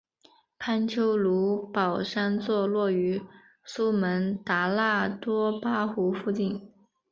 潘丘卢保山坐落于苏门答腊多巴湖附近。